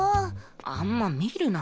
あんま見るな。